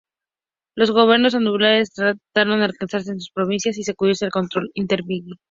Los gobernadores andalusíes trataron de afianzarse en sus provincias y sacudirse el control magrebí.